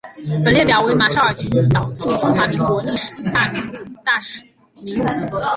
本列表为马绍尔群岛驻中华民国历任大使名录。